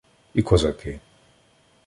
— І козаки.